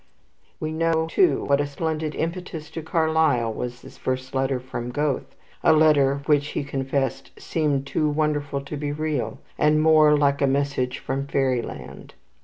We know, too, what a splendid impetus to Carlyle was that first letter from Goethe, a letter which he confessed seemed too wonderful to be real, and more "like a message from fairyland."